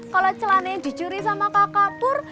kalau celananya dicuri sama kakak pur